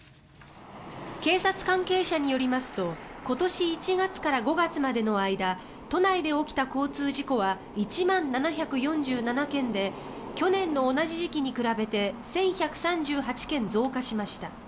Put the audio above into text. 警察関係者によりますと今年１月から５月までの間都内で起きた交通事故は１万７４７件で去年の同じ時期に比べて１１３８件増加しました。